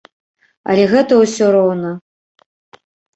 Але гэта ўсё роўна.